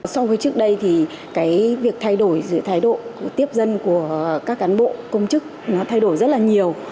so với trước đây thì cái việc thay đổi thái độ tiếp dân của các cán bộ công chức nó thay đổi rất là nhiều